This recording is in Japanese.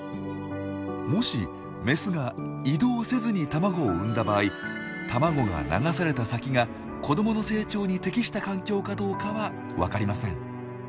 もしメスが移動せずに卵を産んだ場合卵が流された先が子どもの成長に適した環境かどうかはわかりません。